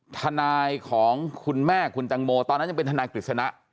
ทนายของคุณแม่คุณตังโมตอนนั้นยังเป็นทนายกฤษณะ